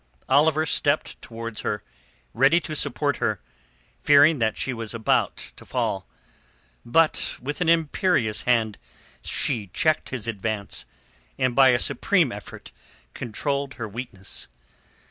Oliver stepped towards her, ready to support her, fearing that she was about to fall. But with an imperious hand she checked his advance, and by a supreme effort controlled her weakness.